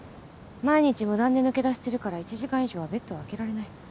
毎日無断で抜け出してるから１時間以上はベッドをあけられない。